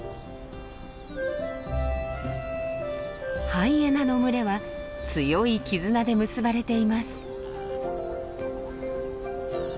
ハイエナの群れは強い絆で結ばれています。